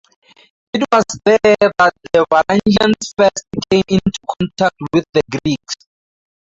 It was there that Varangians first came into contact with the Greeks.